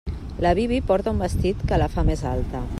La Bibi porta un vestit que la fa més alta.